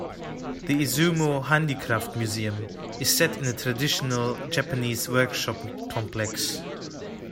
The Izumo Handicraft Museum is set in a traditional Japanese workshop complex.